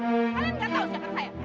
kalian nggak tahu siapa saya